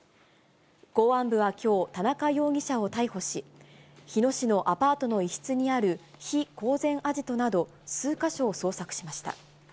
公安部はきょう、田中容疑者を逮捕し、日野市のアパートの一室にある非公然アジトなど数か所を捜索しました。